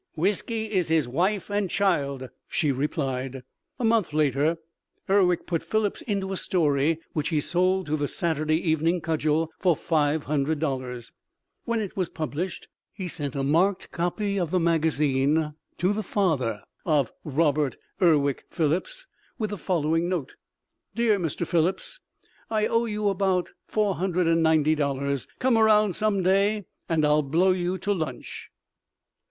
"Whisky is his wife and child," she replied. A month later Urwick put Phillips into a story which he sold to the Saturday Evening Cudgel for $500. When it was published he sent a marked copy of the magazine to the father of Robert Urwick Phillips with the following note: "Dear Mr. Phillips I owe you about $490. Come around some day and I'll blow you to lunch."